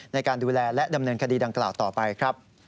ในการดูแลและดำเนินคดีดังกล่าวต่อไปครับ